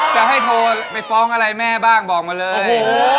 จะให้โทรไปฟ้องอะไรแม่บ้างบอกมาเลย